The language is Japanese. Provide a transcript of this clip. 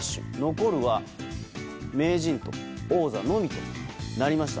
残るは名人と王座のみとなりました。